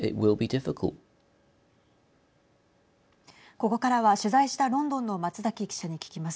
ここからは取材したロンドンの松崎記者に聞きます。